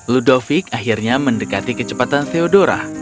ludovic akhirnya mendekati kecepatan theodora